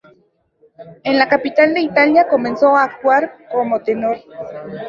En la capital de Italia comenzó a actuar como tenor.